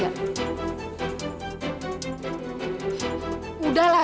udah lah zah kamu gak usah peduliin aku lagi